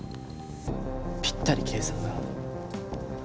ぴったり計算が合う。